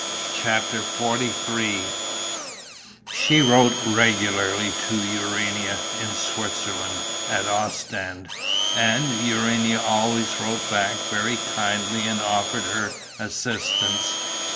CHAPTER XLIII She wrote regularly to Urania, in Switzerland, at Ostend; and Urania always wrote back very kindly and offered her assistance.